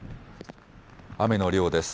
雨の量です。